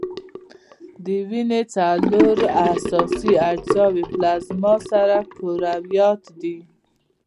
د وینې څلور اساسي اجزاوي پلازما، سره کرویات دي.